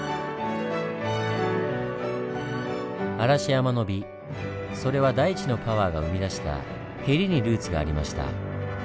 嵐山の美それは大地のパワーが生み出した「へり」にルーツがありました。